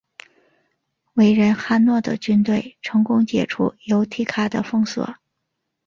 伟人汉诺的军队成功解除由提卡的封锁。